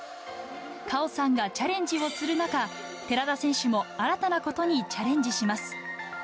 果緒さんがチャレンジをする中、寺田選手も新たなことにチャレンジします。